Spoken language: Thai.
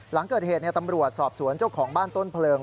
หลังเกิดเหตุตำรวจสอบสวนเจ้าของบ้านต้นเพลิง